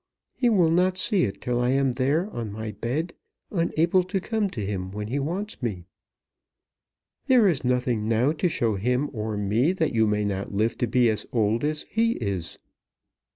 He will not see it till I am there, on my bed, unable to come to him when he wants me." "There is nothing now to show him or me that you may not live to be old as he is."